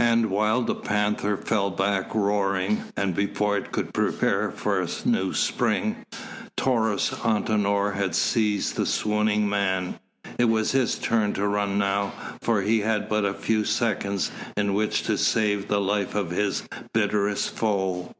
And while the panther fell back roaring, and before it could prepare for a new spring, Taurus Antinor had seized the swooning man. It was his turn to run now, for he had but a few seconds in which to save the life of his bitterest foe.